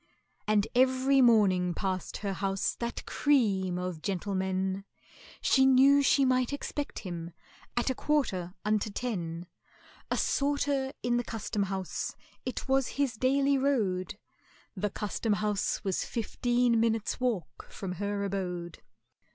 And every morning passed her house that cream of gentlemen, She knew she might expect him at a quarter unto ten; A sorter in the Custom house, it was his daily road (The Custom house was fifteen minutes' walk from her abode).